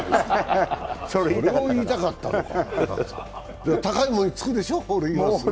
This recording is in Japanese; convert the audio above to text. それを言いたかったのか。